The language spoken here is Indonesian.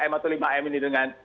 lima m atau lima m ini dengan